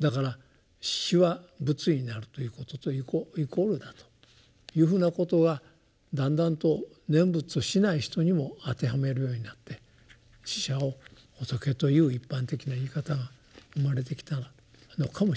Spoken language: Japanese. だから死は仏になるということとイコールだというふうなことがだんだんと念仏をしない人にも当てはめるようになって死者を仏という一般的な言い方が生まれてきたのかもしれませんね。